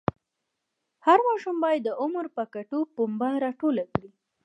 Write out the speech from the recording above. هر ماشوم باید د عمر په کتو پنبه راټوله کړي.